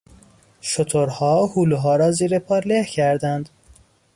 شترها هلوها را زیر پا له کردند.